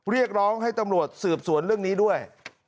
เรียกร้องให้ตำรวจสืบสวนเรื่องนี้ด้วย